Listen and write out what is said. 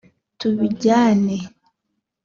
tubijyane